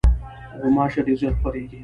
غوماشې ډېر ژر خپرېږي.